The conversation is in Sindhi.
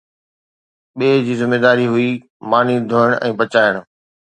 ٻئي جي ذميداري هئي ماني ڌوئڻ ۽ پچائڻ